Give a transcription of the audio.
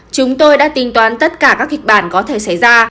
chúng tôi đã tính toán tất cả các kịch bản có thể xảy ra